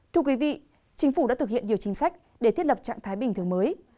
thưa quý vị chính phủ đã thực hiện nhiều chính sách để thiết lập trạng thái bình thường mới